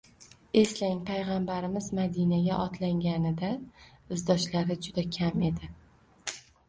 Eslang, payg‘ambarimiz Madinaga otlanganida izdoshlari juda kam edi